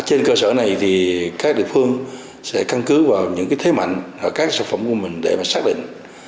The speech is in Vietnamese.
trên cơ sở này thì các địa phương sẽ căn cứ vào những thế mạnh ở các sản phẩm của mình để mà xác định